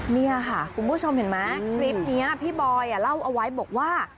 นี่ค่ะคุณผู้ชมเห็นไหมคลิปนี้พี่บอยเล่าเอาไว้บอกว่า